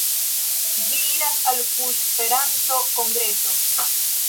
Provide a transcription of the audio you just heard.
Vi iras al fuŝperanto-kongreso...